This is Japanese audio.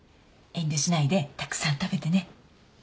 遠慮しないでたくさん食べてね